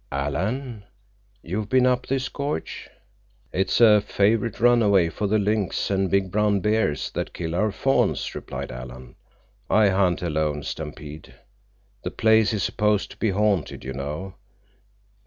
"Alan, you've been up this gorge?" "It's a favorite runway for the lynx and big brown bears that kill our fawns," replied Alan. "I hunt alone, Stampede. The place is supposed to be haunted, you know.